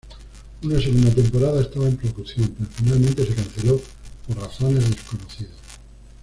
Una segunda temporada estaba en producción, pero finalmente se canceló por razones desconocidas.